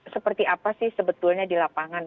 seperti apa sih sebetulnya di lapangan